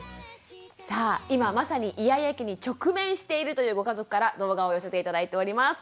さあ今まさにイヤイヤ期に直面しているというご家族から動画を寄せて頂いております。